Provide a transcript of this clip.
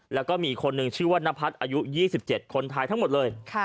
แล้วก็มีคนหนึ่งชื่อว่านพัฒน์อายุยี่สิบเจ็ดคนไทยทั้งหมดเลยค่ะ